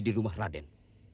di rumah raden